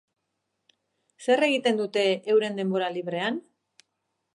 Zer egiten dute euren denbora librean?